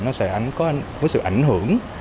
nó sẽ có sự ảnh hưởng